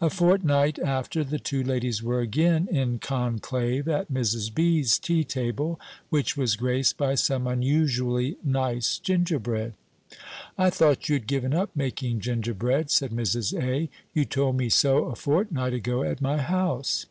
A fortnight after, the two ladies were again in conclave at Mrs. B.'s tea table, which was graced by some unusually nice gingerbread. "I thought you had given up making gingerbread," said Mrs. A.; "you told me so a fortnight ago at my house."